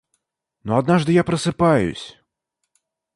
Но однажды я просыпаюсь...